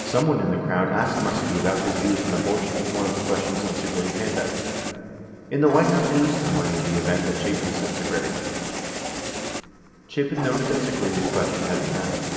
60 Someone in the crowd asked Muskie about his views on abortion, one of the ques tions on Segretti's handout. In the White House news summary of the event that Chapin sent Segretti. Chapin noted that Segretti's ques tion had been asked.